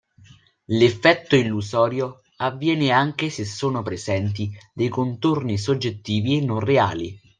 L'effetto illusorio avviene anche se sono presenti dei contorni soggettivi e non reali.